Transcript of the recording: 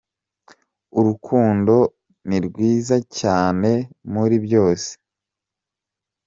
urukundo nirwiza cyane muri byose